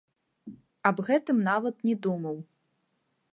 Аб гэтым нават не думаў.